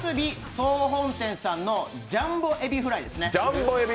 総本店さんのジャンボ海老フライです。